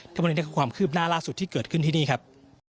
ทั้งหมดนี้คือความคืบหน้าล่าสุดที่เกิดขึ้นที่นี่ครับ